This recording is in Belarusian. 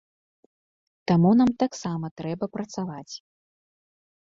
Таму нам таксама трэба працаваць.